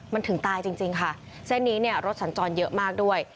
มันถึงตายจริงค่ะเส้นนี้เนี่ยรถสัญจรเยอะมากด้วย